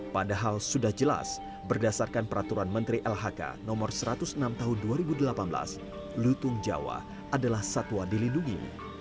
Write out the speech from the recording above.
padahal sudah jelas berdasarkan peraturan menteri lhk no satu ratus enam tahun dua ribu delapan belas lutung jawa adalah satwa dilindungi